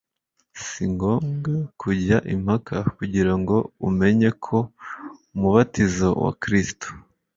Si ngombwa kujya impaka kugira ngo umenye ko umubatizo wa Kristo